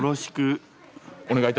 お願いいたします。